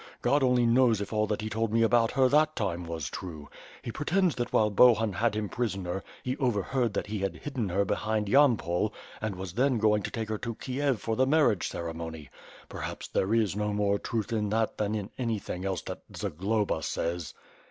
God only knows if all that he told me about her that time was true. He pretends that while Bohun had him prisoner he overheard that he had hidden her behind Yam pol, and was then going to take her to Kiev for the marriage ceremony. Perhops there is no more truth in that than in anything else that Zagloba says."